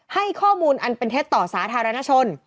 ให้ข้อมูลอันเป็นเท็จต่อสาธารณชน